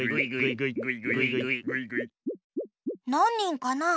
なんにんかな？